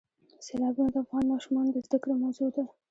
سیلابونه د افغان ماشومانو د زده کړې موضوع ده.